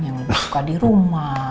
yang lebih suka dirumah